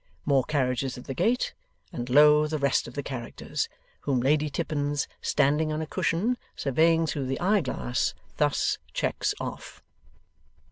More carriages at the gate, and lo the rest of the characters. Whom Lady Tippins, standing on a cushion, surveying through the eye glass, thus checks off.